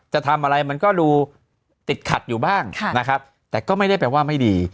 จะทำอะไรมันก็ดูติดขัดอยู่บ้างนะครับแต่ก็ไม่ได้แปลว่าไม่ดี